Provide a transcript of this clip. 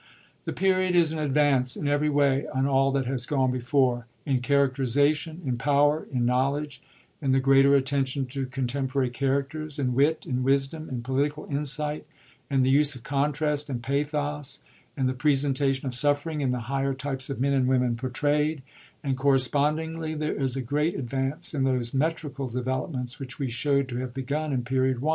The Period is an advance in every way on all that has gone before, in characterisation, in power, in knowledge, in the greater attention to contemporary characters, in wit, in wisdom, in political insight, in the use of contrast, in pathos, in the presentation of suffering, in the higher types of men and women portrayd ; and correspondingly there is a great advance in those metrical developments which we showd to have begun in Period I.